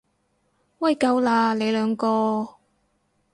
喂夠喇，你兩個！